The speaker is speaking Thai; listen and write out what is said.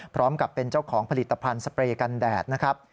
พร้อมกับเป็นเจ้าของผลิตภัณฑ์สเปรย์กันแดดนะครับ